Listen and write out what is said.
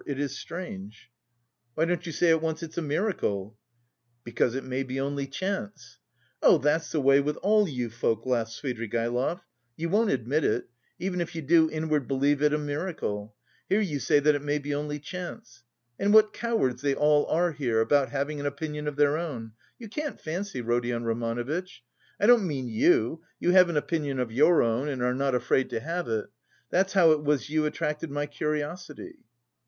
It is strange!" "Why don't you say at once 'it's a miracle'?" "Because it may be only chance." "Oh, that's the way with all you folk," laughed Svidrigaïlov. "You won't admit it, even if you do inwardly believe it a miracle! Here you say that it may be only chance. And what cowards they all are here, about having an opinion of their own, you can't fancy, Rodion Romanovitch. I don't mean you, you have an opinion of your own and are not afraid to have it. That's how it was you attracted my curiosity."